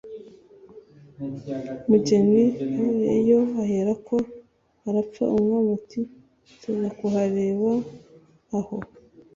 umugeni, avuyeyo aherako arapfa." umwana ati: "nzajya kureba aho